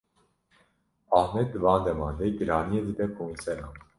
Ahmet di van deman de giraniyê dide konseran.